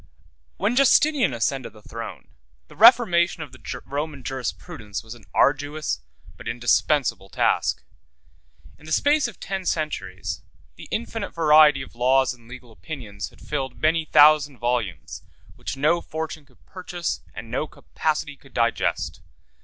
When Justinian ascended the throne, the reformation of the Roman jurisprudence was an arduous but indispensable task. In the space of ten centuries, the infinite variety of laws and legal opinions had filled many thousand volumes, which no fortune could purchase and no capacity could digest.